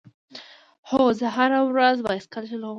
هو، زه هره ورځ بایسکل چلوم